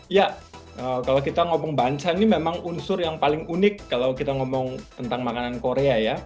ya kalau kita ngomong banca ini memang unsur yang paling unik kalau kita ngomong tentang makanan korea ya